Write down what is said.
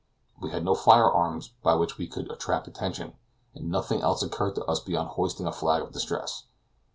We had no firearms by which we could attract attention, and nothing else occurred to us beyond hoisting a flag of distress.